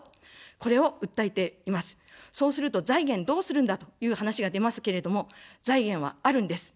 そうすると、財源どうするんだという話が出ますけれども、財源はあるんです。